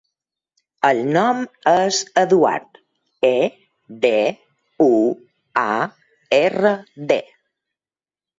El nom és Eduard: e, de, u, a, erra, de.